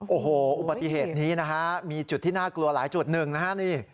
โอ้โหอุบัติเหตุนี้นะฮะมีจุดที่น่ากลัวหลายจุดหนึ่งนะฮะนี่